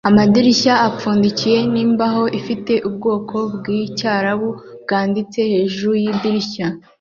amadirishya apfundikijwe nimbaho ifite ubwoko bwicyarabu bwanditse hejuru yidirishya